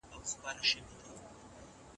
په مصر کې د توکو بیې لوړې دي.